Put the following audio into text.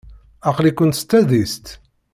Aql-ikent s tadist?